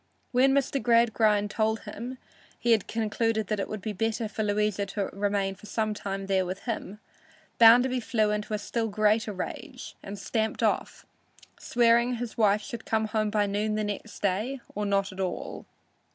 When Mr. Gradgrind told him he had concluded it would be better for Louisa to remain for some time there with him, Bounderby flew into a still greater rage and stamped off, swearing his wife should come home by noon next day or not at all.